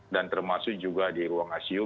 dan termasuk juga di ruang asio